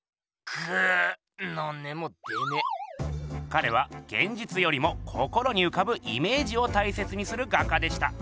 かれはげんじつよりも心にうかぶイメージを大切にする画家でした。